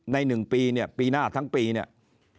ใน๑ปีเนี่ยปีหน้าทั้งปีเนี่ย